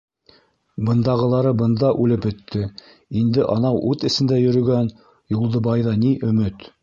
Бындағылары бында үлеп бөттө, инде анау ут эсендә йөрөгән Юлдыбайҙа ни өмөт...